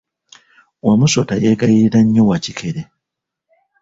Wamusota yegayirira nnyo Wakikere.